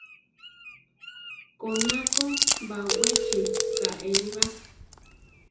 Koná ko baʼwechi kaéli ba.